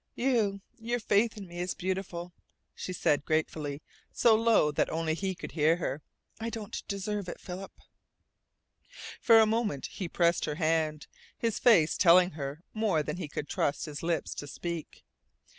"You your faith in me is beautiful," she said gratefully, so low that only he could hear her. "I don't deserve it, Philip." For a moment he pressed her hand, his face telling her more than he could trust his lips to speak.